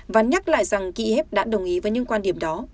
và nhắc lại rằng kỵ hếp đã đồng ý với những quan điểm đó